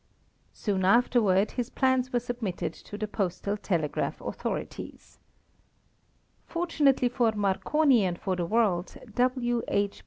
Soon afterward his plans were submitted to the postal telegraph authorities. Fortunately for Marconi and for the world, W.H.